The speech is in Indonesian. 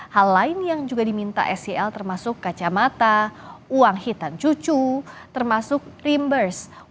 hal lain yang juga diminta sel termasuk kacamata uang hitam cucu termasuk rimbers